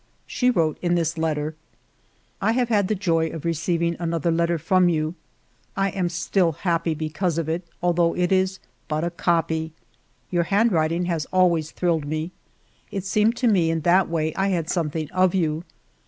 She wrote in this letter :— "I have had the joy of receiving another letter from you ; I am still happy because of it, although it is but a copy. Your handwriting has always thrilled me; it seemed to me in that way I had something of you.